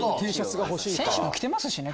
選手も着てますしね。